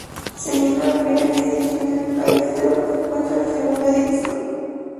Siguiendo la pirámide divisional del país, debajo se encuentra la segunda división.